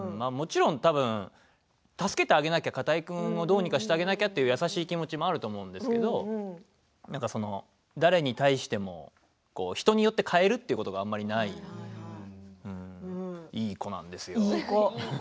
たぶん、助けてあげなきゃどうにかしてあげなきゃって優しい気持ちがあると思うんですけれど誰に対しても人によって変えるということがあまりないいい子なんですよ。